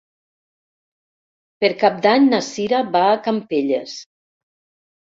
Per Cap d'Any na Cira va a Campelles.